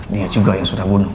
dia juga yang sudah bunuh